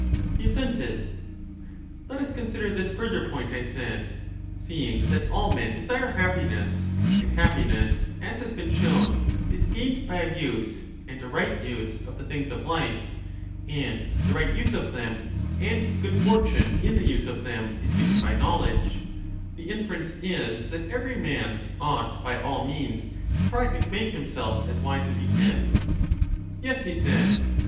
He assented. Let us consider this further point, I said: Seeing that all men desire happiness, and happiness, as has been shown, is gained by a use, and a right use, of the things of life, and the right use of them, and good fortune in the use of them, is given by knowledge, — the inference is that every man ought by all means to try and make himself as wise as he can? Yes, he said.